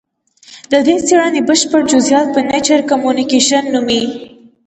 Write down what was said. د دې څېړنې بشپړ جزیات په نېچر کمونیکشن نومې